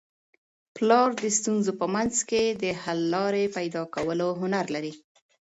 پلار د ستونزو په منځ کي د حل لاري پیدا کولو هنر لري.